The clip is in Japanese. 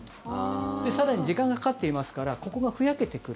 更に、時間がかかっていますからここがふやけてくる。